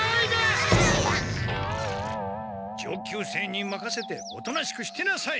上級生にまかせておとなしくしてなさい！